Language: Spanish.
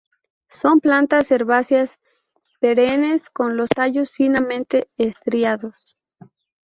Son plantas herbáceas perennes con los tallos finamente estriados.